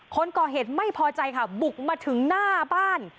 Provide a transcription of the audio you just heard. คนก่อเหตุไม่พอใจค่ะบุกมาถึงหน้าบ้าน